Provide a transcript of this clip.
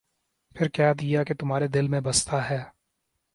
پھر کہہ دیا کہ تمھارے دل میں بستا ہے ۔